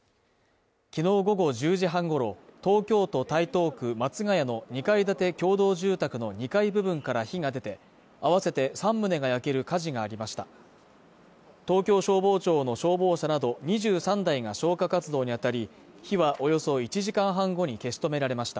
きのう午後１０時半ごろ、東京都台東区松が谷の２階建て共同住宅の２階部分から火が出て、あわせて３棟が焼ける火事がありました。